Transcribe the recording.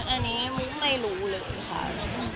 อันนี้ไม่รู้เลยค่ะ